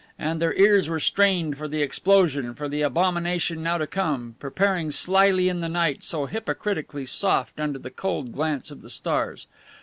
And their ears were strained for the explosion, for the abomination now to come, preparing slyly in the night so hypocritically soft under the cold glance of the stars.